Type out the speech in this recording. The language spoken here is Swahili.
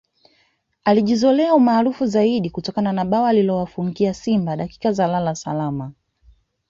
Alijizolea umaarufu zaidi kutokana na bao alilowafungia Simba dakika za lala salama